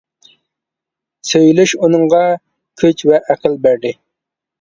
سۆيۈلۈش ئۇنىڭغا كۈچ ۋە ئەقىل بەردى.